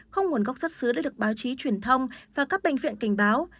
không nguồn gốc xuất xứ để được báo chí truyền thông và các bệnh viện kình báo